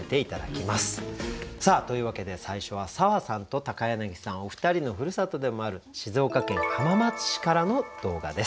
さあというわけで最初は砂羽さんと柳さんお二人のふるさとでもある静岡県浜松市からの動画です。